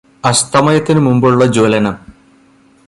അസ്തമയത്തിനുമുമ്പുള്ള ജ്വലനം